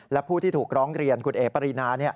และผู้ที่ถูกร้องเรียนคุณเอ๋ปรินา